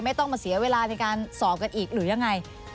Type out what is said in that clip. ไม่ต้องมาเสียเวลาในการสอบกันอีกหรือยังไง